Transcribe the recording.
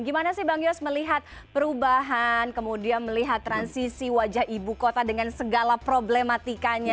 gimana sih bang yos melihat perubahan kemudian melihat transisi wajah ibu kota dengan segala problematikanya